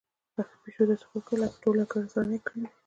پيشو داسې خوب کوي لکه د ټولې کورنۍ څارنه يې کړې وي.